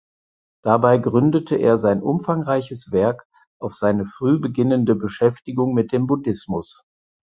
Dabei gründete er sein umfangreiches Werk auf seine früh beginnende Beschäftigung mit dem Buddhismus.